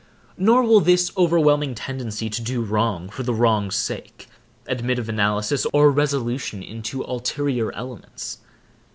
Nor will this overwhelming tendency to do wrong for the wrong's sake, admit of analysis, or resolution into ulterior elements.